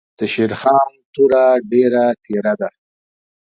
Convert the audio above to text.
دشېرخان توره ډېره تېره ده.